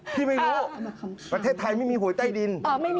ไม่รู้ประเทศไทยไม่มีหวยใต้ดิน